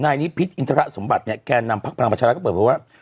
นานี่พิธิ์อินทรสมบัติเนี้ยการนำพรรณรัชรัชน์นั้นเกี่ยวเบาะว่า